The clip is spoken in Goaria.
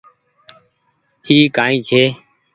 اي ڪائي ڇي۔